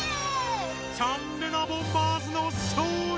チャンレナボンバーズの勝利！